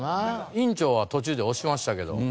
委員長は途中で押しましたけど。